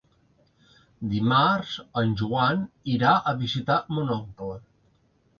Dimarts en Joan irà a visitar mon oncle.